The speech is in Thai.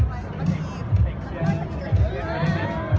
ตัวก็เป็นพวกเจ้า